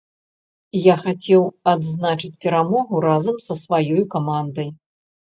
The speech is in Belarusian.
Я хацеў адзначыць перамогу разам са сваёй камандай.